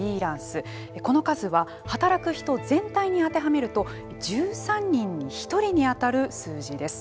この数は働く人全体に当てはめると１３人に１人にあたる数字です。